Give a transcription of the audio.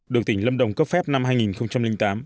được tỉnh lâm đồng cấp phép năm hai nghìn tám